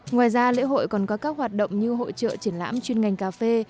ngoài ra lễ hội còn có các hoạt động như hội trợ triển lãm chuyên ngành cà phê